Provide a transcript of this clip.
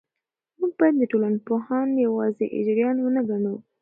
موږ باید ټولنپوهان یوازې اجیران ونه ګڼو.